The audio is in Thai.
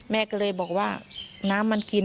แม่ก็เลยบอกว่าน้ำมันกิน